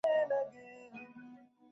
চুরিই তো হয়েছে, তাই না?